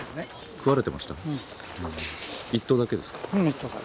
一頭だけですか？